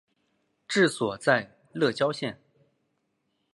治所在乐郊县。